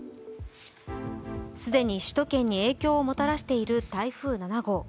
既に首都圏に影響をもたらしている台風７号。